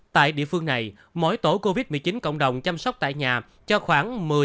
tại địa phương này mỗi tổ covid một mươi chín cộng đồng chăm sóc tại nhà cho khoảng một mươi hai mươi